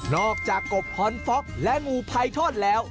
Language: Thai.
นอกจากกบพรฟ็อกและงูไพทอนแล้ว